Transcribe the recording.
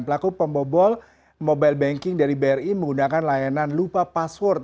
pelaku pembobol mobile banking dari bri menggunakan layanan lupa password